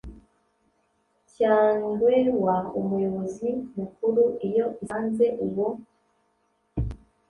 cyangewa umuyobozi mu kuru iyo isanze uwo